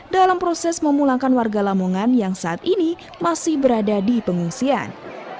dalam proses memulangkan warga lamongan yang saat ini masih berada di pengungsian